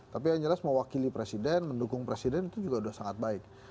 tapi yang jelas mewakili presiden mendukung presiden itu juga sudah sangat baik